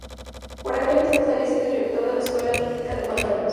Por aquel entonces había sido director de la Escuela Bíblica de cuatro años.